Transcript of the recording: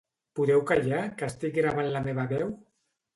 Podeu callar que estic gravant la meva veu?